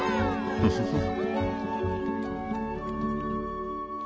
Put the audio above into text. フフフッ。